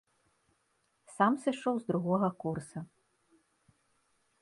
Сам сышоў з другога курса.